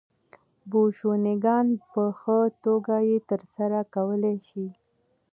بوشونګان په ښه توګه یې ترسره کولای شي